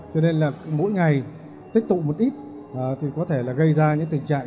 cho nên là mỗi ngày tích tụ một ít thì có thể là gây ra những tình trạng